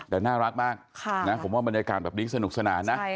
แต่น่ารักมากผมว่าบรรยากาศแบบนี้สนุกสนานนะ